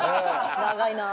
長いなあ。